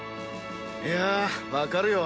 いやわかるよ。